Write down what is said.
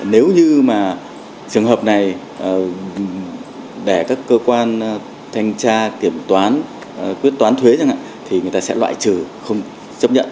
nếu như mà trường hợp này để các cơ quan thanh tra kiểm toán quyết toán thuế chẳng hạn thì người ta sẽ loại trừ không chấp nhận